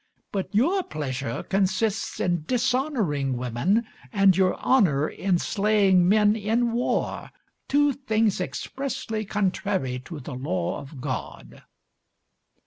But your pleasure consists in dishonouring women, and your honour in slaying men in war two things expressly contrary to the law of God."